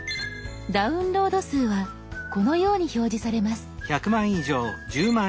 「ダウンロード数」はこのように表示されます。